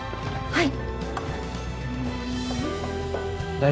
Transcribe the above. はい。